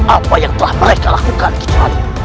apa yang telah mereka lakukan kita lari